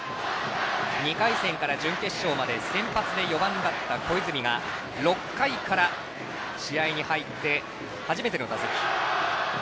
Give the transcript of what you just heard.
２回戦から準決勝まで先発で４番だった小泉が６回から試合に入って初めての打席。